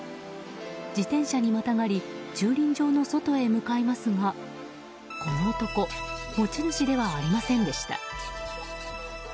自転車にまたがり駐輪場の外へ向かいますがこの男持ち主ではありませんでした。